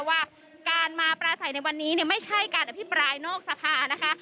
ว่าการมาปราศัยในวันนี้ไม่ใช่การอภิปรายนอกสภานะคะ